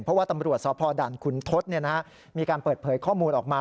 เพราะว่าตำรวจสพด่านขุนทศมีการเปิดเผยข้อมูลออกมา